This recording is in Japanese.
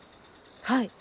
はい！